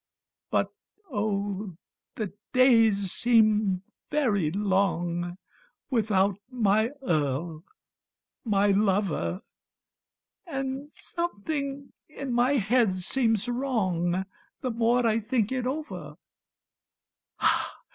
But oh! the days seem very long, Without my Earl, my lover; And something in my head seems wrong The more I think it over.